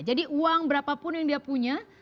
uang berapapun yang dia punya